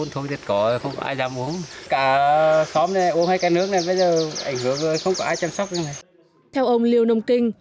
theo ông liêu nông kinh chủ tịch ủy ban nhân dân xã địa linh